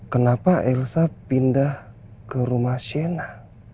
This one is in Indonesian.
kenapa elsa pindah ke rumah shena